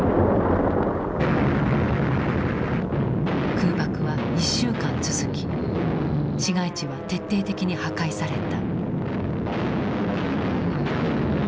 空爆は１週間続き市街地は徹底的に破壊された。